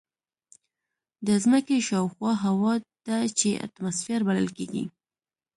د ځمکې شاوخوا هوا ده چې اتماسفیر بلل کېږي.